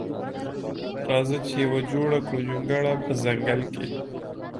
راځه چې یوه جوړه کړو جونګړه په ځنګل کښې